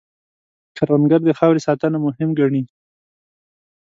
کروندګر د خاورې ساتنه مهم ګڼي